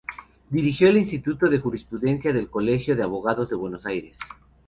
Dirigió el Instituto de Jurisprudencia del Colegio de Abogados de Buenos Aires.